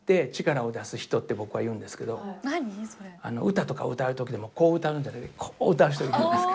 歌とか歌う時でもこう歌うんじゃなくてこう歌う人いるじゃないですか。